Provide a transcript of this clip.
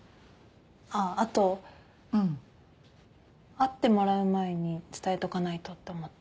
会ってもらう前に伝えとかないとって思って。